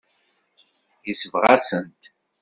Yesbeɣ-asen-t.